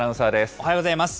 おはようございます。